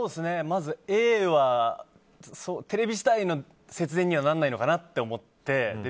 まずＡはテレビ自体の節電にはならないのかなと思って。